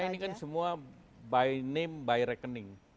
karena ini kan semua by name by rekening